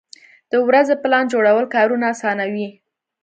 د ورځې پلان جوړول کارونه اسانوي.